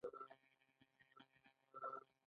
هغه یو سل پنځه ویشت زره کیلو غنم اخلي